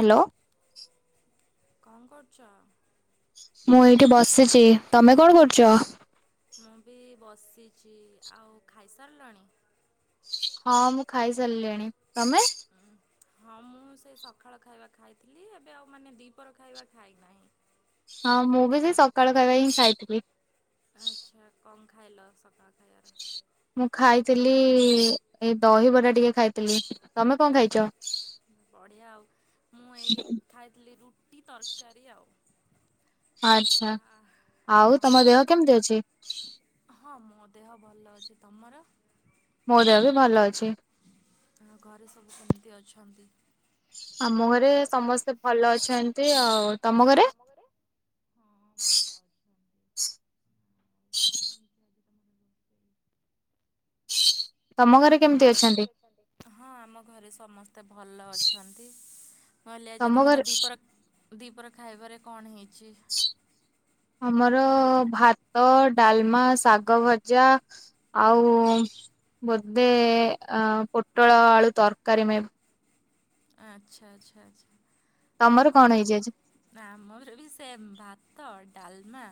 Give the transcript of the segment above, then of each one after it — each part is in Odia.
ହାଲୋ। କଣ କରୁଚ? ମୁଁ ଏଇଠି ବସିଚି ତମେ କଣ କରୁଚ? ମୁଁ ବି ବସି ଚି ଆଉ ଖାଇସାରିଲାଣି? ହଁ ମୁଁ ଖାଇସାରିଲିଣି। ତମେ? ଉଁ, ହଁ ମୁଁ ସେଇ ସଖାଳ ଖାଇବା ଖାଇଥିଲି ଏବେ ଆଉ ମାନେ ଦିପର ଖାଇବା ଖାଇନାହିଁ। ହଁ ମୁଁ ବି ସେଇ ସକାଳ ଖାଇବା ହିଁ ଖାଇଥିଲି। ଆଚ୍ଛା କମ୍ ଖାଇଲ ସକା ମୁଁ ଖାଇଥିଲି ଏଇ ଦହିବରା ଟିକେ ଖାଇଥିଲି ତମେ କଣ ଖାଇଚ? ବଢିଆ ଆଉ ମୁଁ ଏଇ ଖାଇଥିଲି ରୁଟି ତରକାରୀ ଆଉ। ଆ, ଆଚ୍ଛା ଆଉ ତମ ହଁ ଦେହ କେମତି ଅଛି? ହଁ ମୋ ଦେହ ଭଲ ଅଛି ତମର? ମୋ ଦେହ ବି ଭଲ ଅଛି। ଆଉ ଘରେ ସବୁ କେମିତି ଅଛନ୍ତି? ଆମ ଘରେ ସମସ୍ତେ ଭଲ ଅଛନ୍ତି ଆଉ ତମ ଘରେ? ହଁ ଭଲ ଅଛନ୍ତି କଣ ହେଇଛି ହଁ ଆଜି ତମର? ତମ ଘରେ କେମିତି ଅଛନ୍ତି? ହଁ ଆମ ଘରେ ସମସ୍ତେ ଭଲ ଅଛନ୍ତି। ନହେଲେ ଆଜି ତମ ତମର ଘରେ ଦି ପ୍ର ଦିପହର ଖାଇବାରେ କଣ ହେଇ ଚି ଆମର ଭାତ, ଡାଲମା, ଶାଗ ଭଜା ଆଉ ବୋଦେ ଆ-ପୋଟଳ ଆଳୁ ତରକାରୀ ମେ ଆଚ୍ଛା ଆଚ୍ଛା ଆଚ୍ଛା। ତମର କଣ ହେଇଛି ଆଜି? ହ ଆମର ବି ସେମ ଭାତ ଡାଲ ଲମା,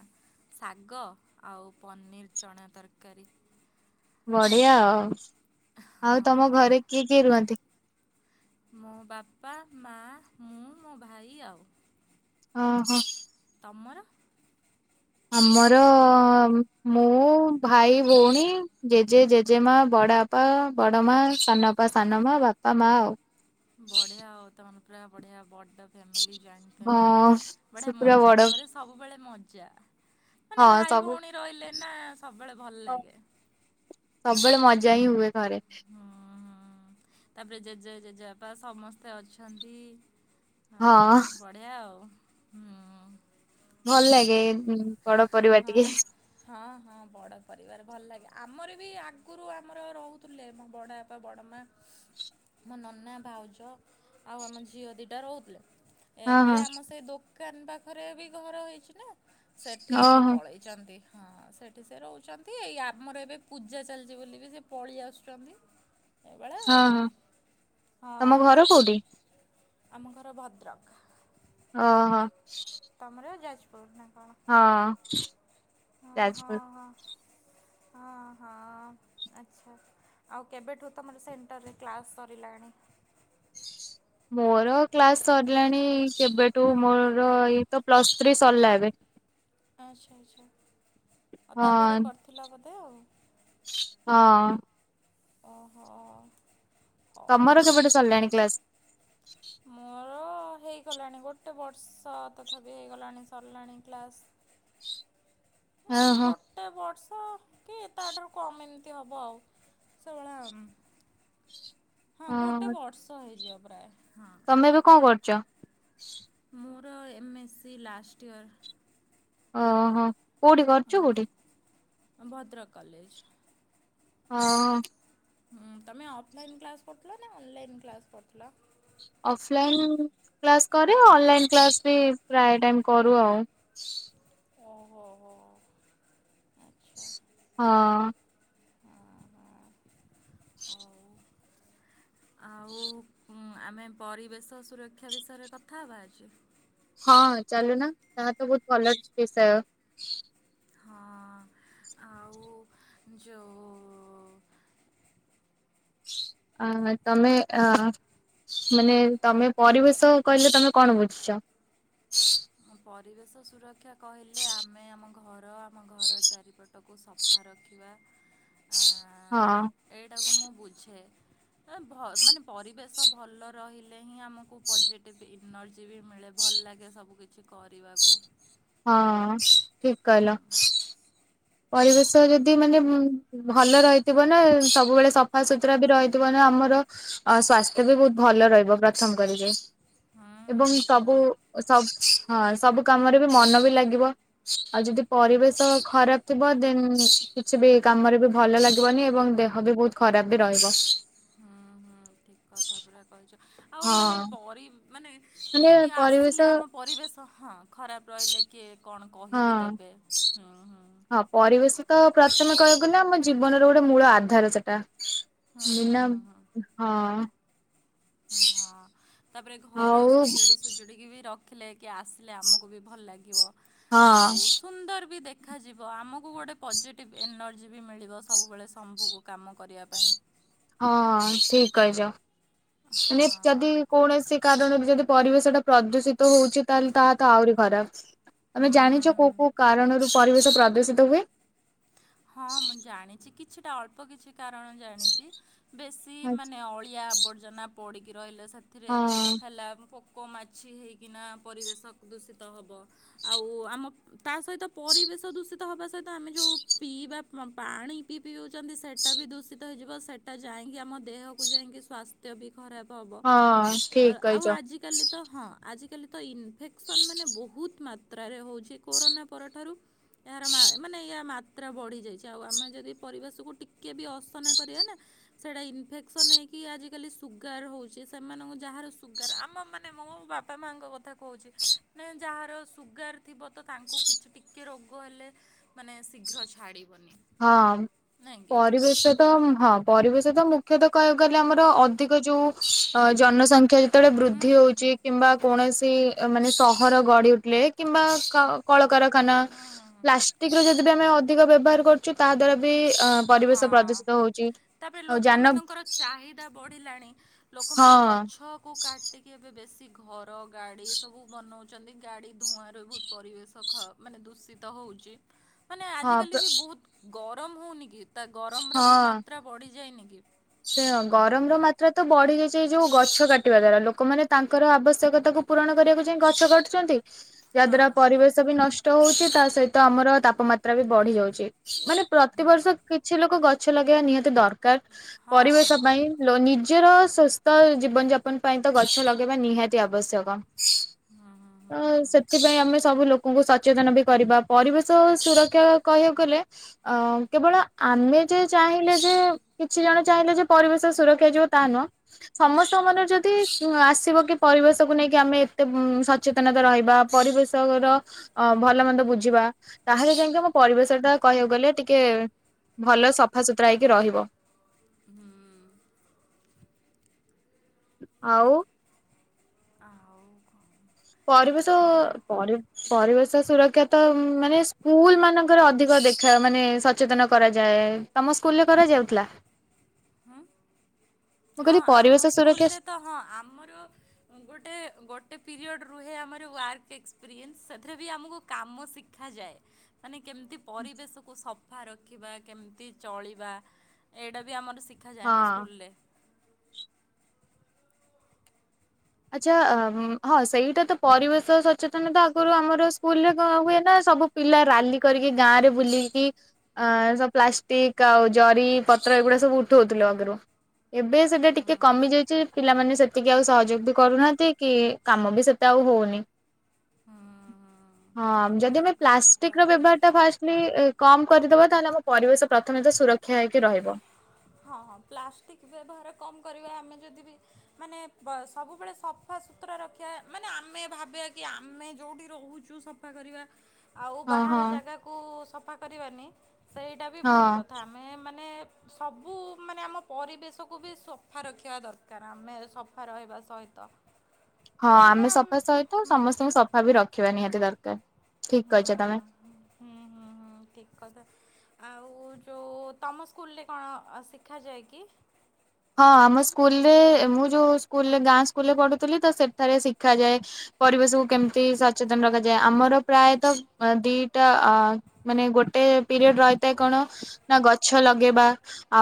ଶାଗ, ଆଉ ପନିର୍ ଚଣା ତରକାରୀ। ବଢିଆ ଆଉ ତମ ହଁ। ଘରେ କିଏ କିଏ ରୁହନ୍ତି? ମୋ ବାପା, ମା, ମୁଁ, ମୋ ଭାଇ ଆଉ। ଓହୋ। ତମର? ଆମର ମୁଁ, ଭାଇ, ଭଉଣୀ, ଜେଜେ, ଜେଜେମା, ବଡ଼ ବାପା, ବଡ ମା, ସାନବାପା, ସାନମା, ବାପା, ମା ଆଉ। ବଢିଆ ଆଉ ତମର ପୁରା ବଢିଆ ବ ବଡ ଫ୍ୟାମିଲ ଜଏଣ୍ଟ ଫ୍ୟାମିଲ ହଁ ବଢିଆ ସେ ପୁରା ମଜା ବଡ ଘରେ ସବୁବେଳେ ମ ଜ ମାନେ ହଁ ଭାଇ ସବୁ ଭୋଉଣୀ ରହିଲେ ନା ସବୁବେଳେ ଭଲଲାଗେ। ଜାହିଁ ହୁଏ। ଘରେ। ତାପରେ ଜେଜେ ଜେଜେବାପା ସମସ୍ତେ ଅଛନ୍ତି। ହଁ ବଢିଆ ଆଉ। ହଁ। ଭଲ ଲାଗେ। ବଡ଼ ପରିବାର ହଁ। ଟିକେ ହଁ ହଁ ବଡ଼ ପରିବାର ଭଲ ଲାଗେ ଆମର ବି ଆଗରୁ ଆମର ରହୁଥିଲେ ମୋ ବଡ଼ ଆପା ବଡ଼ ମା ମୋ ନନା ଭାଉଜ ଆଉ ଆମ ଝିଅ ଦୁଇଟା ରହୁଥିଲେ। ହଁ ଏବେ ହଁ ଆମ ସେଇ ଦୋକ ଦୋକାନ ପାଖରେ ବି ଘର ହେଇଛି ନା। ହ ଏଠି ସେ ପଳେଇଛନ୍ତି। ହଁ ସେଠି ସେ ରହୁଛନ୍ତି ଏଇ ଆମର ଏବେ ପୂଜା ଚାଲିଛି ବୋଲି ବି ସେ ପଳେଇ ଆସୁଛନ୍ତି। ଏଇଭଳିଆ ହଁ ଆଉ। ହଁ ହଁ ତମ ଘର କୋଉଠି? ଆମ ଘର ଭଦ୍ରକ। ଓ ହୋ। ତମର ଯାଜ ହଁ। ହ ଯାଜପୁର। ହଁ ହଁ। ହଁ ହଁ ଆଚ୍ଛା ଆଉ କେବେଠୁ ତମର ସେଣ୍ଟରରେ କ୍ଲାସ୍ ସରିଲାଣି। ମୋର କ୍ଲାସ ସରିଲାଣି କେବେଠୁ ମୋର ଏଇ ତ ପ୍ଲସ ଥ୍ରୀ ସରିଲା ଏବେ ଆଚ୍ଛା ଆଚ୍ଛା। ଆଉ ତାପରେ ହଁ କରିଥିଲା ବୋଧ ହ। ହଁ। ଓହୋ। ହଉ। ତମର ସେପଟେ ସାରିଲାଣି କ୍ଲାସ୍। [unintelligible] ଗଟେ ବର୍ଷ ତଥାପି ହେିଲ ହଁ ଓହୋ ଗୋଟେ ବର୍ଷ କି ଏ ତା ଆଡ କମ ଏମିତି ହବ ଆଉ ସେଭଳେ ହଁ ଗୋଟେ ବର୍ଷ ହେଇଯିବ। ତାପ୍ ତମେ ଏବେ କଣ କରୁଛ? ମୋର ଏମ୍ ଏସ୍ସିି ଲାଷ୍ଟ ଇୟର୍ ଓହୋ କୋଉଠି କରୁଛୁ କୋଉଠି? ଭଦ୍ରକ କଲେଜ। ହଁ। ହୁଁ ତମେ ଅଫଲାଇନ୍ କ୍ଲାସ କରୁଥିଲ ନା ଅନଲାଇନ୍ କ୍ଲାସ କରୁଥିଲ।। ଅଫଲାଇନ୍ କ୍ଲାସ କରେ ଅନଲାଇନ୍ କ୍ଲାସ ବି ପ୍ରାୟ ଟାଇ କରୁ ଆଉ। ଓହୋ ହୋ ଆଚ୍ଛା ହଁ ହଁ ହଁ ହଉ। ଆଉ ଉ ଆମେ ପରିବେଶ ସୁରକ୍ଷା ବିଷୟରେ କଥା ହେବା ଆଜି। ହଁ ଚାଲୁନ ତାହା ତ ବହୁତ ଭଲ ବିଷୟ। ହଁ ଆଉ ଯୋଉ ଅ ତମେ ଅ ମାନେ ତମେ ପରିବେଶ କହିଲେ ତମେ କଣ ବୁଝୁଛ? ପରିବେଶ ସୁରକ୍ଷା କହିଲେ ଆମେ ଆମ ଘର ଆମ ଘର ଚାରି ପଟ ପଟକୁ ସଫା ରଖିବା ହଁ। ଆଁ, ଏଇଟାକୁ ମୁଁ ବୁଝେ ମାନେ ପରିବେଶ ଭଲ ରହିଲେ ହିଁ ଆମକୁ ପଜେଟିଭ ଇ ଏନର୍ଜି ବି ମିଳେ ଭଲ ଲାଗେ ସବୁ କିଛି କିଛି କରିବାକୁ। ହଁ ଠିକ କହିଲ। ପରିବେଶ ଯଦି ମାନେ ଭଲ ରହିଥିବ ନା ସବୁବେଳେ ସଫା ସୁୁତୁରା ବି ରହିଥିବ ନା ଆମର ସ୍ୱାସ୍ଥ୍ୟ ବି ଭଲ ରହିବ ପ୍ରଥମ କରିକି ହୁଁ ଏବଂ ଦେହ ସବୁ ହଁ ସବୁ କାମରେ ବି ମନ ବି ଲାଗିବ ଆଉ ଯଦି ପରିବେଶ ଖରାପ ଥିବ ଦେନ୍ କିଛି ବି କାମରେ ବି ଭଲ ଲାଗିବନି ଏବଂ ଦେହ ବି ବହୁତ ଖରାପ ବି ରହିବ। ଠିକ କଥା ପା କହିଛ। ଆଉ ମାନେ ହଁ ପରି ମାନେ ମାନେ କିଏ ବି ପରିବେଶ ଆସିଲେ ଆମ ପରିବେଶ ହଁ। ଖରାପ ରହିଲେ କିଏ କଣ? ହଁ କହିିବି ଦେବେ ହୁଁଁ। ହଁ ପରିବେଶ ତ ପ୍ରଥମେ କହିବାକୁ ଗଲେ ଆମ ଜୀବନର ଗୋଟେ ମୂଳ ଆଧାର ସେଟା। ହୁଁ ହୁଁ ବିନା ହୁଁ ହୁଁ ହଁ। ହଁ। ତାପରେ ଘର ଆଉ ସଜାଡି ସଜାଡ଼ିକି ବି ରଖ। ରଖିଲେ। କିଏ ଆସିଲେ ଆମକୁ ବି ଭଲ ଲାଗିବ ଆଉ ହଁ ସୁନ୍ଦର ବି ଦେଖ ଦେଖାଯିବ ଆମକୁ ଗୋଟେ ପଜିଟିଭ୍ ଏନର୍ଜି ବି ମିଳିବ ସବୁବେଳେ ଶମ୍ଭୁକୁ କାମ କରିବା ପାଇଁ। ହଁ ଠିକ କହିଛ। ହଁ ମାନେ ଯଦି କୌଣସି କାରଣରୁ ଯଦି ପରିବେଶ ଟା ପ୍ରଦୂଷିତ ଷିତ ହଉଛି ତାହେଲେ ତାହା ତ ଆହୁରି ଖରାପ ତମେ ଜାଣିଛ କୋଉ ହୁଁ। କୋଉ କାରଣରୁ ପାରିବେ ଶ ପ୍ରଦୂଷିତ ହୁଏ। ହଁ ମୁଁ ଜାଣିଛି କିଛିଟା ଅଳ୍ପ କିଛି କାରଣ ଜାଣିଛି। ବେଶୀ ହଁ ମାନେ ଅଳିଆ ଆବର୍ଜନା। ପଡ଼ିିକି ରହିଲେ ସେଥିରେ ହେଲା ପୋକ ମାଛି ହେଇକିନା ପରିବେଶ ଦୂଷିତ ହେବ ଆଉ ଆମ ତା ସହିତ ପରିବେଶ ଦୂଷିତ ହେବା ସହିତ ଆମେ ଜଉ ପାଣି ପିଇ ପିଇଉଛନ୍ତି ସେଇଟା ବି ଦୂଷିତ ହେଇଯିବ ସେଇଟା ଯାଇକି ଆମ ଦେହକୁ ଯାଇକି ସ୍ୱାସ୍ଥ୍ୟ ବି ଖରାପ ହବ ହଁ ଠିକ ଆଉ କହିଛ ଆଜିିକାଲି ତ ହଁ। କଲି ତ ଇ ଫେକ୍ସନ୍ ମାନେ ବହୁତ ମାତ୍ର ଯାତ୍ରାରେ ହଉଛି କୋରୋନା ପରଠାରୁ ଏହାର ମା ମାନେ ୟା ମା ମାତ୍ରା ବଢ଼ିଯାଇଛି ଆଉ ଆମେ ଯଦି ପରିବେଶକୁ ଟିକିଏ ବି ଅସନା କରିବା ନା ସେଇଟା ଇନଫେକ୍ସନ୍ ହେଇକି ଆଜିକାଲି ସୁଗାର ହଉଛି ସେମାନଙ୍କୁ ଯାହାର ସୁଗାର ଆମ ମାନେ ମୋ ବାପା ମାଙ୍କ କଥା କହୁଛି ମାନ ଯାହାର ସୁଗାର ଥିବ ତ ତାଙ୍କୁ କିଛି ଟିକେ ରୋଗ ହେଲେ ମାନେ ଘ୍ର ଛାଡ଼ିି ହଁ ପରିବେଶ ତ ହଁ ପରିବେଶ ତ ମୁ ମୁଖ୍ୟତଃ କହିବାକୁ ଗଲେ ଆମର ଅଧିକ ଯୋଉ ଅ ଜନସଂଖ୍ୟା ଯେତେବେଳେ ହୁଁ ବୃଦ୍ଧି ହୁଁ ହୁଁ ହଉଛି କିମ୍ବା କୌଣସି ମାନେ ସହର ଗଡି ଉଠିଲେ କିମ୍ବା କଳକାର ଖାନ ହୁଁ ହୁଁ ହୁଁ ପ୍ଲାଷ୍ଟିକ ର ବି ଯଦି ଆମେ ଅ ଅଧିକ ବ୍ୟବହାର କର ତାହା ଦ୍ୱାରା ବି ହଁ ପରିବେଶ ପ୍ରଦୂଷିତ ହଉଛି। ତାପରେ ଆଉ ଯାନ ଲୋକମାନାନଙ୍କର ଚାହିଦା ବଢିଲାଣି ହଁ ଲୋକମାନେ ଗଛ କୁ କାଟିକି ଏବେ ବେଶୀ ଘର ଗାଡି ସବୁ ବନଉଛି ନ୍ତି ଗାଡି ଧୂଆଁ ର ବହୁତ ପରିବେଶ ମାନେ ଦୂଷିତ ହୋଉଚି। ମାନେ ହଁ ଆଜିକାଲି ବି ବହୁତ ଗରମ ହେଉନି କି? ତା ଗରମ ର ବି ମାତ୍ରା ବଢି ଯାଇନି କି? ସେୟା ଗରମ ର ମାତ୍ରା ତ ବଢି ଯାଇଛି ଏଇ ଯୋଉ ଗଛ କାଟିବା ଦ୍ଵାରା ଲୋକମାନେ ତାଙ୍କର ଆବଶ୍ୟକତାକୁ ପୂରଣ କରିବାକୁ ଯାଇ ଗଛ କାଟୁଛନ୍ତି। ହଁ ଯାଦ୍ୱାରା ହଁ ପରିବେଶ ବି ନଷ୍ଟ ହୋଇଚି। ତା ସହିତ ଆମର ତାପମାତ୍ରା ବି ବଢି ଯାଉଛି। ମାନେ ପ୍ରତିବର୍ଷ କିଛି ଲୋକ ଗଛ ଲଗେଇବା ନିହାତି ଦରକାର। ହଁ ପରିବେଶ ହଁ ପାଇଁ ଲୋ ନି ରାଜ୍ୟର ସୁସ୍ଥ ଜୀବନ ଯାପନ ପାଇଁ ତ ଗଛ ଲଗେଇବା ନିହାତି ଆବଶ୍ୟକ। ହଁ ହୁଁ ହୁଁ ତ ହୁଁ ସେଥିପାଇଁ ଆମେ ସବୁ ଲୋକଙ୍କୁ ସଚେତନ ବି କରିବା ପରିବେଶ ସୁରକ୍ଷା କହିବାକୁ ଗଲେ ଅ କେବଳ ଆମେ ଯେ ଚାହିଁଲେ ଯେ କିଛି ଜଣ ଚାହିଁଲେ ଯେ ପରିବେଶ ସୁରକ୍ଷା ଯିବ ତାହା ନୁହଁ। ସମସ୍ତ ମନରେ ଯଦି ଆସିବ କି ପରିବେଶକୁ ନେଇକି ଆମେ ଏତେ ସଚେତନତା ରହିବା ପରିବେଶର ଭଲ ମନ୍ଦ ବୁଝିବା ତାହେଲେ ଯାଇକି ଆମ ପରିବେଶ ଟା କହିବାକୁ ଗଲେ ଟିକେ ଭଲ ସଫା ସୁତୁରା ହେଇକି ରହିବ। ହୁଁ ହୁଁ ଆଉ। ଆଉ କଣ ପରିବେଶ କଣ ପର ପରିବେଶ ସୁରକ୍ଷା ତ ମାନେ ସ୍କୁଲ ମାନଙ୍କରେ ଅଧିକ ଦେଖା ମାନେ ସଚେତନ କରାଯାଏ। ତମ ସ୍କୁଲରେ କରାଯାଉଥିଲା। ହୁଁ ମୁଁ ହଁ କହିଲି ଆମ ପରିବେଶ ସୁରକ୍ଷା ସ୍କୁଲରେ ତ ହଁ ଆମର ଗୋଟେ ଗୋଟେ ପିରିୟଡ଼ ରୁହେ ଆମର ୱାର୍କ ଏକ୍ସପିରିଏନ୍ସ ସେଥିରେ ବି ଆମକୁ କାମ ଶିଖାଯାଏ ମାନେ କେମିତି ପରିବେଶକୁ ସ ସଫା ରଖିବା କେମିତି ଚଳିବା ଏଇଟା ବି ଆମର ଶିଖାଯାଏ ହଁ ଆମ ସ୍କୁଲରେ ଆଚ୍ଛା ହଁ ସେଇଟା ତ ପରିବେଶ ସଚେତନତା ଆଗରୁ ଆମର ସ୍କୁଲରେ କଣ ହୁଏ ନା ସବୁ ପିଲା ରାଲି କରିକି ଗାଁରେ ବୁଲିକି ସ ପ୍ଲାଷ୍ଟିକ ଆଉ ଜରି ପତ୍ର ଏଗୁଡା ସବୁ ଉଠଉଥିଲୁ ଆଗରୁ ଏବେ ସେଇଟା ହୁଁ ଟିକେ କମିଯାଇଛି ପିଲାମାନେ ସେତିକି ଆଉ ସହଯୋଗ ବି କରୁନାହାନ୍ତି କି କାମ ବି ସେତେ ଆଉ ହଉନି ହୁଁ ହୁଁ ହଁ ଯି ଠିକ୍ କଥା ପୁରା ପ୍ଲାଷ୍ଟିକ ର ବ୍ୟବହାର ଟା କହିଛୁ। ଫା କ କରିଦବ ତାହେଲେ ଆମ ପରିବେଶ ପ୍ରଥମେତ ସୁରକ୍ଷା ହେଇକି ରହିବ‌। ହଁ ହଁ ପ୍ଲାଷ୍ଟିକ୍ ବ୍ୟବହାର କମ କରିବା। ଆମେ ଯଦି ବି ମାନେ ସବୁବେଳେ ସଫା ସୁୁତୁରା ରଖିବା। ମାନେ ଆମେ ଭାବିବା କି ଆମେ ଯେଉଁଠି ରହୁଛୁ ସଫା କରିବା। ଆଉ ହଁ ହଁ। ବାହାର ଜାଗାକୁ ସଫା କରିବାନି। ସେଇଟା ବି ହଁ ଭୁଲ କଥା ଆମେ ମାନେ ସବୁ ମାନେ ଆମ ପରିବେଶକୁ ବି ସଫା ରଖିବା ଦରକାର। ଆମେ ସଫା ରହିବା ସହିତ ହଁ କାହିଁକିନା ଆମେ ଆମ ସଫା ସହିତ ହୁଁ ସମସ୍ତଙ୍କୁ ସଫା ବି ରଖିବା ନିହାତି ଦରକାର। ଠିକ ହୁଁ କହିଛ ତମେ। ହୁଁ ହୁଁ ହୁଁ ଠିକ କଥା ଆଉ। ଓ ଯେଉଁ ତମ ସ୍କୁଲରେ କଣ ଶିଖାଯାଏ କି? ହଁ ଆମ ସ୍କୁଲରେ ମୁଁ ଯୋଉ ସ୍କୁଲ ଗାଁ ସ୍କୁଲରେ ପଢୁଥିଲି। ତ ସେଠାରେ ଶିଖାଯାଏ ପରିବେଶକୁ କେମିତି ସଚେତନ ରଖାଯାଏ। ଆମର ପ୍ରାୟତଃ ଦିଟା ମାନେ ଗୋଟେ ପିରିୟଡ଼ ରହିଥାଏ। କଣ ନା ଗଛ ଲଗେଇବା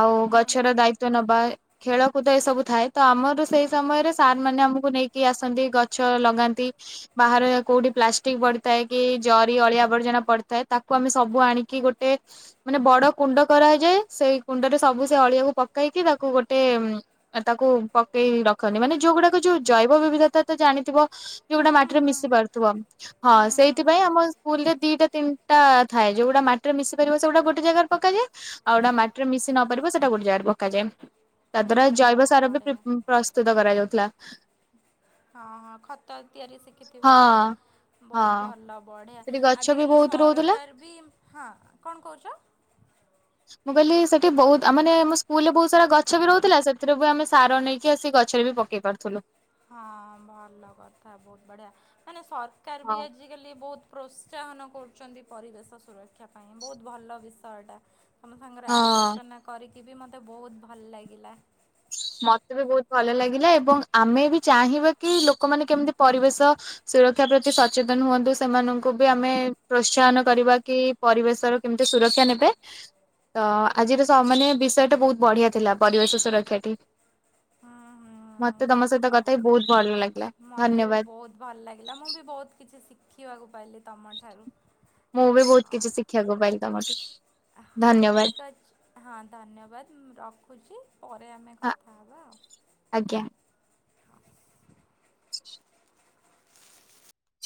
ଆଉ ହୁଁ ହୁଁ ଗଛର ଦାୟିତଵ ନେବା। ଖେଳକୁଦ ଏ ସବୁ ଥାଏ ତ ଆମର ସେଇ ସମୟରେ ସାର୍ ମାନେ ଆମକୁ ନେଇକି ଆସନ୍ତି ଗଛ ଲଗାନ୍ତି ବାହାରେ କୋଉଠି ପ୍ଲାଷ୍ଟିକ ପଡିଥାଏ କି ଜରି ଅଳିଆ ଆବର୍ଜନା ପଡିଥାଏ। ତାକୁ ଆମେ ସବୁ ଆଣିକି ଗୋଟେ ମାନେ ବଡ କୁଣ୍ଡ କରାଯାଏ। ସେଇ କୁଣ୍ଡରେ ସବୁ ସେ ଅଳିଆକୁ ପକେଇକି ତାକୁ ଗୋଟେ ଟେ ତାକୁ ପକେଇ ରଖନ୍ତି ମାନେ ଯୋଉଗୁଡାକ ଯୋଉ ଜୈବ ବିବିଧତା ତ ଜାଣିଥିବ ହୁଁ ଯୋଉଗୁଟା ହୁଁ ମାଟିରେ ହୁଁ ମିଶି ପାରୁଥିବ। ହଁ ହୁଁ ହୁଁ ହୁଁ ସେଇଥିପାଇଁ ଆମ ସ୍କୁଲ ରେ ଦିଟା ତିନିଟା ଥାଏ ଯୋଉଗୁଟା ମାଟିରେ ମିଶି ପାରିବ ସେଗୁଟା ଗୋଟେ ଜାଗାରେ ପକାଯାଏ। ଆଉ ଗୋଟା ମାଟିରେ ମିଶି ନ ପାରିବ ସେଇଟା ଗୋଟେ ଜାଗାରେ ପକାଯାଏ। ାରା ହୁଁ ଜୈବ ବହୁତ ସାର ବି ବଢ଼ିଆ ପ୍ରସ୍ତୁତ କରାଯାଉ। [unintelligible] ହଁ ହଁ ଖତ ତିଆରି ଶିଖିଥିବ ଆଉ ହଁ ବହୁତ ହଁ ଭଲ ବଢିଆ ସେଠି ଗଛ ବି ଆଜିକାଲି ବହୁତ ରହୁଥିଲା ସରକାର ବି ହଁ କଣ କହୁଛ। ମୁଁ କହିଲି ସେଠି ବହୁତ ମାନେ ମୋ ସ୍କୁଲ ରେ ବହୁତ ସାରା ଗଛ ଗଛ ବି ରହୁଥିଲା ସେଥିରେ ବି ଆମେ ସାର ନେଇକି ଆସି ଗଛରେ ବି ପକେଇ ପାରୁଥିଲୁ। ହଁ ଭଲ କଥା ବହୁତ ବଢିଆ ମାନେ ସରକାର ହଁ ବି ଆଜିକାଲି ବହୁତ ପ୍ରୋତ୍ସାହନ କରୁଛନ୍ତି ପରିବେଶ ସୁରକ୍ଷା ପାଇଁ ବହୁତ ଭଲ ବିଷୟଟା ଆମ ସାଙ୍ଗରେ ହଁ। ଆଲୋଚନା କରି [unintelligible] ମୋତେ ବହୁତ ଭଲ ଲାଗିଲା। ମତେ ବି ବହୁତ ଭଲ ଲାଗିଲା ଏବଂ ଆମେ ବି ଚାହିଁବା କି ଲୋକମାନେ କେମିତି ପରିବେଶ ସୁରକ୍ଷା ପ୍ରତି ସଚେତନ ହୁଅନ୍ତୁ ସେମାନଙ୍କୁ ବି ଆମେ ପ୍ରୋତ୍ସାହନ କରିବା କି ପରିବେଶର କେମିତି ସୁରକ୍ଷା ନେବେ ତ ଆଜିର ମ ବିଷୟଟା ବହୁତ ବଢିଆ ଥିଲା ପରିବେଶ ସୁରକ୍ଷାା ମତେ ବି [unintelligible] ମତେ ବି ଧନ୍ୟବାଦ। ବହୁତ ଭଲ ଲାଗିଲା ମୁଁ ବି ବହୁତ କିଛି ଶିଖି ସିଖିଇବାକୁ ପାଇଲି ତମଠାରୁ ମୁଁ ବି ବହୁତ କିଛି ହଁ ଶିଖିଆକୁ ପାଇଲି ତମଠୁ। ହଉ ଧନ୍ୟବାଦ ଠିକ୍ ଅଛି ହଁ ଧନ୍ୟବାଦ ମୁଁ ରଖୁଛି ପରେ ଆମେ ହଁ କଥା ହବା ଆଉ। ଆଜ୍ଞା।